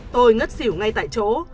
tôi ngất xỉu ngay tại chỗ